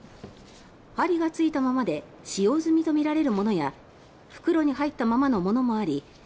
針がついたままで使用済みとみられるものや袋に入ったままのものもあり